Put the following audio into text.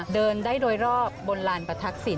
เดินได้โดยรอบบนลานประทักษิณ